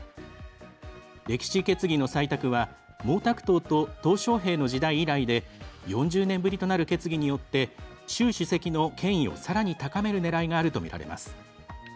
歴史決議の採択は毛沢東ととう小平の時代以来で４０年ぶりとなる決議によって習主席の権威をさらに高めるねらいがあるとみられます。